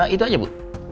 itu aja bu